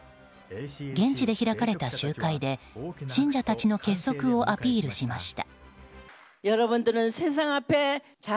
現地で開かれた集会で信者たちの結束をアピールしました。